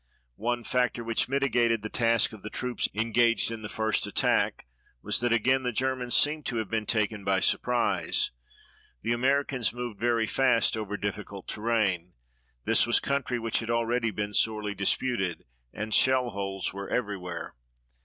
One factor which mitigated the task of the troops engaged in the first attack was that again the Germans seemed to have been taken by surprise. The Americans moved very fast over difficult terrain. This was country which had already been sorely disputed, and shell holes were everywhere.